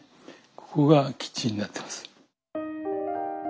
ここがキッチンになってます。